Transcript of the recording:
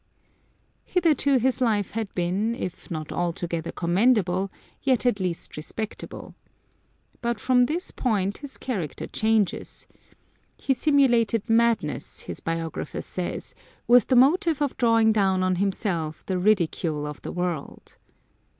Hitherto his life had been, if not altogether com mendable, yet at least respectable. But from this point his character changes. He simulated madness, his biographer says, with the motive of drawing down on himself the ridicule of the world.